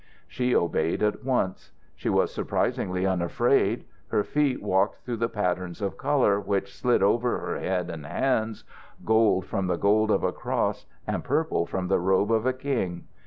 She obeyed at once. She was surprisingly unafraid. Her feet walked through the patterns of colour, which slid over her head and hands, gold from the gold of a cross and purple from the robe of a king.